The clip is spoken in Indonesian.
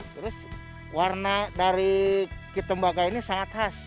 terus warna dari kitembagah ini sangat khas